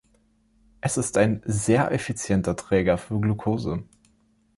Es ist ein sehr effizienter Träger für Glukose.